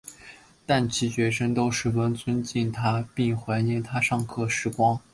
但其学生都十分尊敬他并怀念他上课时光。